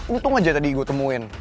untung aja tadi gue temuin